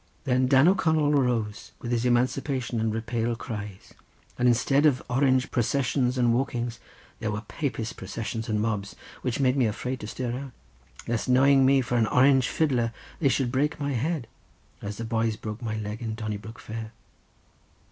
Then Dan O'Connell arose with his emancipation and repale cries, and then instead of Orange processions and walkings, there were Papist processions and mobs, which made me afraid to stir out, lest knowing me for an Orange fiddler, they should break my head, as the boys broke my leg at Donnybrook fair.